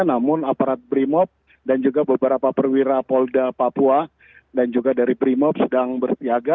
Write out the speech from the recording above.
namun aparat brimob dan juga beberapa perwira polda papua dan juga dari brimob sedang bersiaga